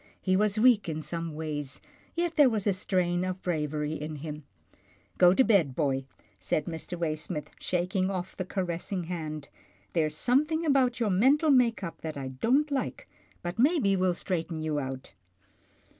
He was weak in some ways, yet there was a strain of bravery in him. " Go to bed, boy," said Mr. Waysmith, shaking off the caressing hand. " There's something about your mental make up that I don't like, but maybe we'll straighten you out."